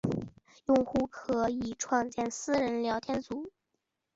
用户可以创建私人聊天群组。